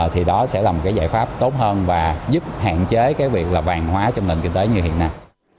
thì đó sẽ là một cái giải pháp tốt hơn và giúp hạn chế cái việc là vàng hóa trong nền kinh tế như hiện nay